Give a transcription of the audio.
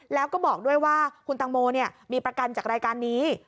แล้วก็บอกด้วยว่าคุณตังโมมีประกันจากรายการนี้